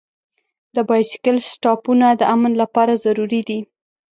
د بایسکل سټاپونه د امن لپاره ضروري دي.